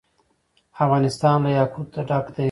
افغانستان له یاقوت ډک دی.